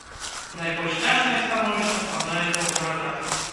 Найбольш цяжкае становішча складаецца ў гарадах.